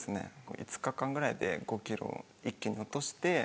５日間ぐらいで５ｋｇ一気に落として。